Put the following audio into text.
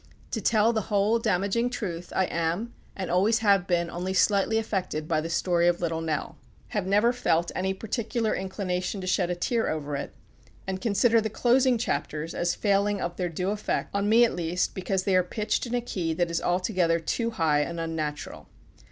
To tell the whole damaging truth, I am, and always have been, only slightly affected by the story of Little Nell; have never felt any particular inclination to shed a tear over it, and consider the closing chapters as failing of their due effect, on me at least, because they are pitched in a key that is altogether too high and unnatural.